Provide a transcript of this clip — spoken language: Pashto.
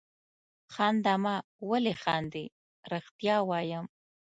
خانده مه ولې خاندې؟ رښتیا وایم.